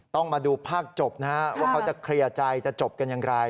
ต้องมาดูภาคจบนะฮะว่าเขาจะเคลียร์ใจจะจบกันอย่างไร